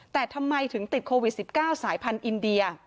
แต่ทำไมถึงติดโควิด๑๙สายพันธุ์อินเดีย